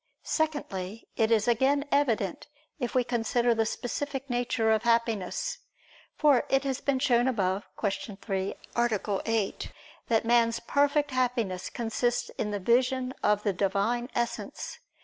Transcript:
Secondly, it is again evident if we consider the specific nature of Happiness. For it has been shown above (Q. 3, A. 8) that man's perfect Happiness consists in the vision of the Divine Essence.